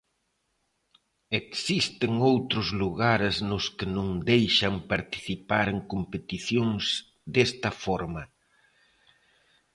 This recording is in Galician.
Existen outros lugares nos que non deixan participar en competicións desta forma.